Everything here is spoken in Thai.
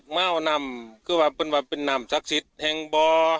ม้าโอนำว่ามันเป็นนามศักดิ์สิทธิ์แห่งบ่อ